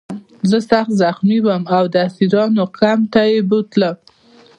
زه سخت زخمي وم او د اسیرانو کمپ ته یې بوتلم